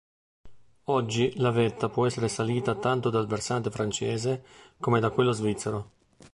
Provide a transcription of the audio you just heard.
Oggi la vetta può essere salita tanto dal versante francese come da quello svizzero.